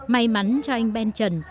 may mắn cho anh ben trần